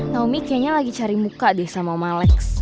naomi kayaknya lagi cari muka deh sama oma lex